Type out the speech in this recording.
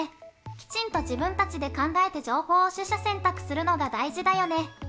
きちんと自分たちで考えて情報を取捨選択するのが大事だよね！